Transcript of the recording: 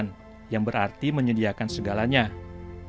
sedangkan tanah adalah ibu yang melahirkan tumbuhan dan pohon yang ada di sekitar